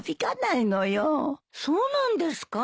そうなんですか？